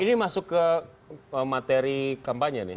ini masuk ke materi kampanye nih